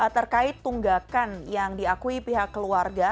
terkait tunggakan yang diakui pihak keluarga